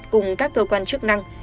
cùng các cơ quan chức năng